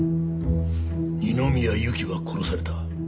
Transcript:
二宮ゆきは殺された。